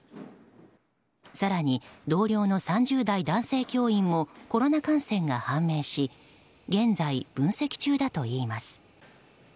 更に、同僚の３０代男性教員もコロナ感染が判明し現在、分析中だといいます。